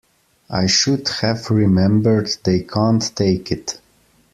I should have remembered, they can't take it.